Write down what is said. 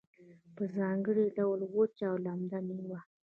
په ځانګړي ډول وچه او لمده میوه